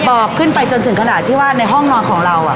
บอกขึ้นไปจนถึงขนาดที่ว่าในห้องนอนของเรา